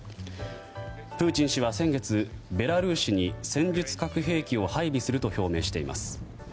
プーチン氏は、先月ベラルーシに戦術核兵器を配備すると表明しています。